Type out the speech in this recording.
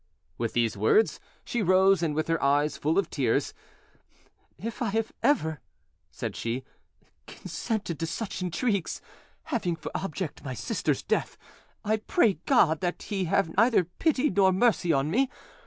With these words, she rose, and with her eyes full of tears— "If I have ever," said she, "consented to such intrigues, having for object my sister's death, I pray God that He have neither pity nor mercy on me.